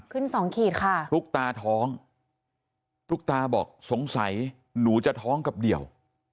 สองขีดค่ะตุ๊กตาท้องตุ๊กตาบอกสงสัยหนูจะท้องกับเดี่ยว